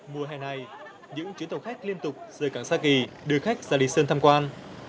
mùa hè này những chuyến tàu khách liên tục rời cảng sa kỳ đưa khách ra lý sơn tham quan